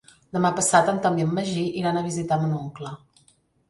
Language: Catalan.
Demà passat en Tom i en Magí iran a visitar mon oncle.